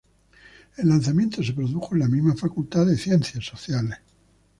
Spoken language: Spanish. El lanzamiento se produjo en la misma facultad de Ciencias Sociales.